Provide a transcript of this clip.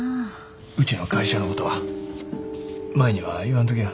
うちの会社のことは舞には言わんときや。